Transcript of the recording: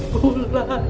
bawa ular ular kita